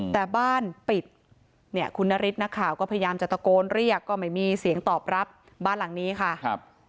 แต่บ้านปิดเนี่ยคุณนฤทธินักข่าวก็พยายามจะตะโกนเรียกก็ไม่มีเสียงตอบรับบ้านหลังนี้ค่ะครับ